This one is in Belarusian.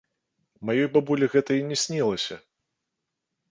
Маёй бабулі гэта і не снілася!